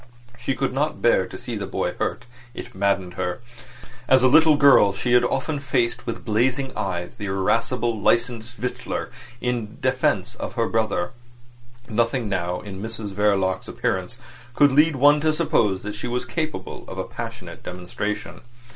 She could not bear to see the boy hurt. It maddened her. As a little girl she had often faced with blazing eyes the irascible licensed victualler in defence of her brother. Nothing now in Mrs Verloc's appearance could lead one to suppose that she was capable of a passionate demonstration.